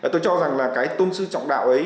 tôi cho rằng là cái tôn sư trọng đạo ấy